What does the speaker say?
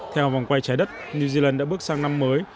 theo vòng quay trái đất new zealand đã bước sang năm mới